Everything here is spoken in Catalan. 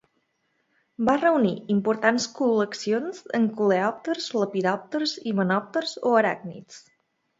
Va reunir importants col·leccions en coleòpters, lepidòpters, himenòpters o aràcnids.